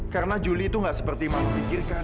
karena juli itu gak seperti mama pikirkan